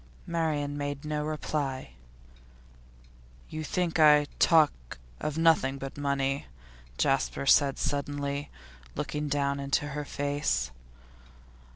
Marian made no reply. 'You think I talk of nothing but money?' Jasper said suddenly, looking down into her face.